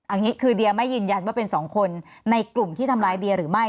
เอางี้คือเดียไม่ยืนยันว่าเป็นสองคนในกลุ่มที่ทำร้ายเดียหรือไม่